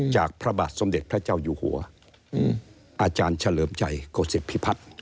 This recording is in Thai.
พระบาทสมเด็จพระเจ้าอยู่หัวอาจารย์เฉลิมชัยโกศิษภิพัฒน์